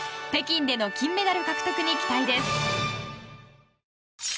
北京での金メダル獲得に期待です。